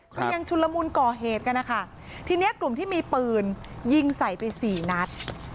ก็ยังชุนละมุนก่อเหตุกันนะคะทีนี้กลุ่มที่มีปืนยิงใส่ไปสี่นัด